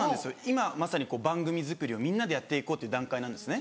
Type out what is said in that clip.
今まさに番組作りをみんなでやっていこうという段階なんですね。